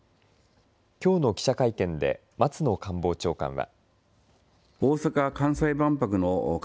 きょうの記者会見で松野官房長官は。